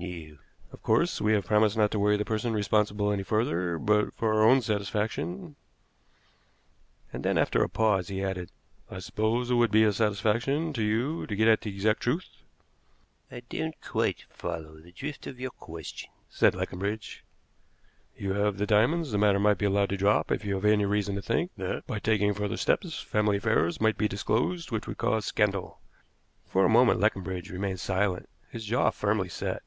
"No." "Of course, we have promised not to worry the person responsible any further, but for our own satisfaction " And then, after a pause, he added: "I suppose it would be a satisfaction to you to get at the exact truth?" "I don't quite follow the drift of your question," said Leconbridge. "You have the diamonds; the matter might be allowed to drop if you have any reason to think that, by taking further steps, family affairs might be disclosed which would cause scandal." For a moment Leconbridge remained silent, his jaw very firmly set.